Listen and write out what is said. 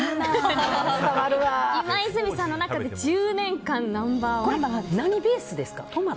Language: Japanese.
今泉さんの中で１０年間ナンバー１です。